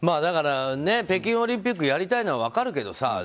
北京オリンピックやりたいのは分かるけどさ